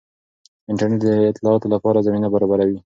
انټرنیټ د اختراعاتو لپاره زمینه برابروي.